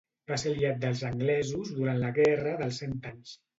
Va ser aliat dels anglesos durant la Guerra dels Cent Anys.